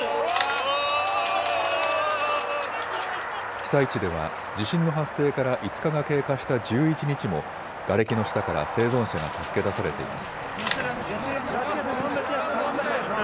被災地では地震の発生から５日が経過した１１日もがれきの下から生存者が助け出されています。